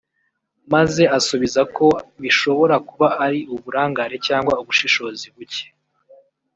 maze asubiza ko bishobora kuba ari uburangare cyangwa ubushishozi buke